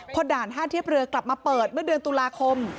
พอด่านท่าเทียบเรือกลับมาเปิดเมื่อเดือนตุลาคม